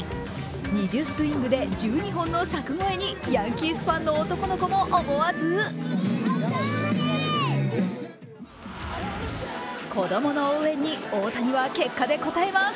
２０スイングで１２本の柵越えにヤンキースファンの男の子も思わず子供の応援に大谷は結果で応えます。